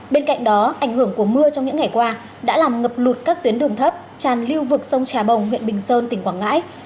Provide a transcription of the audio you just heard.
bên cạnh đó ảnh hưởng của mưa trong những ngày qua đã làm ngập lụt các tuyến đường thấp tràn lưu vực sông trà bồng huyện bình sơn tỉnh quảng ngãi